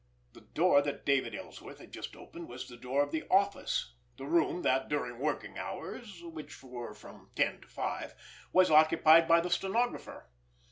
The door that David Ellsworth had just opened was the door of the "office"—the room that during working hours, which were from ten to five, was occupied by the stenographer.